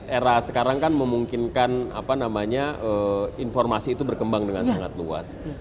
era sekarang kan memungkinkan informasi itu berkembang dengan sangat luas